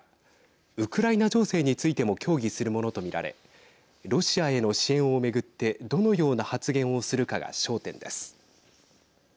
ウクライナ情勢についても協議するものと見られロシアへの支援を巡ってどのような発言をするかが焦点です。